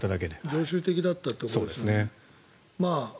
常習的だったということですね。